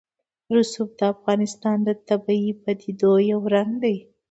رسوب د افغانستان د طبیعي پدیدو یو رنګ دی.